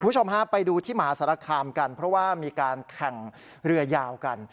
คุณผู้ชมฮะไปดูที่มหาสารคามกันเพราะว่ามีการแข่งเรือยาวกัน